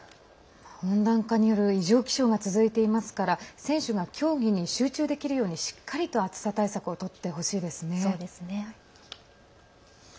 温暖化による異常気象が続いていますから選手が競技に集中できるようにしっかりと暑さ対策をとってほしいですね。